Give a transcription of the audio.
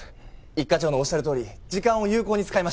一課長のおっしゃるとおり時間を有効に使いました。